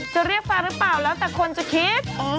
จะเรียกแฟนหรือเปล่าแล้วแต่คนจะคิด